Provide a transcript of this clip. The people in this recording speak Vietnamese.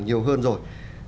nhiều hơn rồi